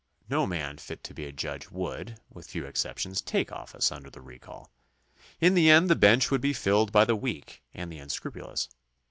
No man fit to be a judge would, with few exceptions, take office under the recall. In the end the bench would be filled by the weak and the unscrupulous.